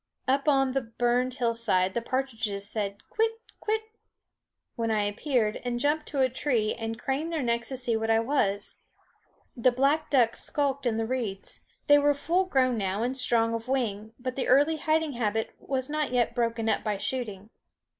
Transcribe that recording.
Up on the burned hillside the partridges said, quit, quit! when I appeared, and jumped to a tree and craned their necks to see what I was. The black ducks skulked in the reeds. They were full grown now and strong of wing, but the early hiding habit was not yet broken up by shooting.